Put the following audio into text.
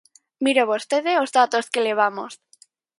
Mire vostede os datos que levamos.